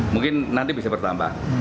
mungkin nanti bisa bertambah